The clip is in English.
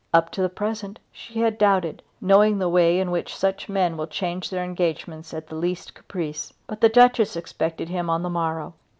Up to the present she had doubted, knowing the way in which such men will change their engagements at the least caprice. But the Duchess expected him on the morrow.